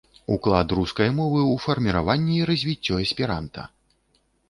Уклад рускай мовы ў фарміраванне і развіццё эсперанта.